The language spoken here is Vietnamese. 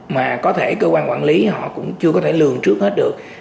mà có thể cơ quan quản lý họ cũng chưa có thể lường trước hết được